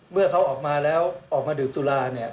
เมื่อเขาออกมาแล้วออกมาดื่มสุราเนี่ย